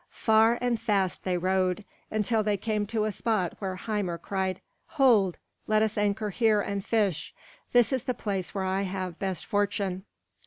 Far and fast they rowed, until they came to a spot where Hymir cried, "Hold! Let us anchor here and fish; this is the place where I have best fortune."